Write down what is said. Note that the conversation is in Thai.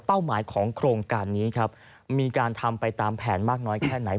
หมายของโครงการนี้ครับมีการทำไปตามแผนมากน้อยแค่ไหน